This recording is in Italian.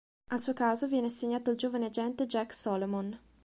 Al suo caso viene assegnato il giovane agente Jack Solomon.